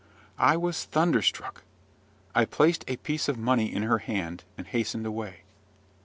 I was thunderstruck: I placed a piece of money in her hand, and hastened away.